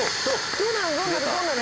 どうなの？